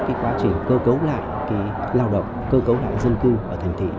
cái quá trình cơ cấu lại cái lao động cơ cấu lại dân cư ở thành thị